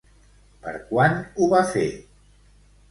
Per quant ho va fer?